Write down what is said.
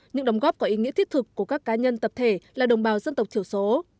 những đóng góp có ý nghĩa thiết thực của các cá nhân tập thể là đồng bào dân tộc thiểu số